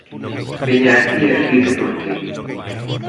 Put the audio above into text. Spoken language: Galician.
Veña aquí e explique por que.